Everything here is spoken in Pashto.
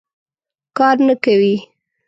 کار نه کوي.